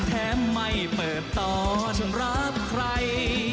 แทบไม่เปิดต่อฉันรับใคร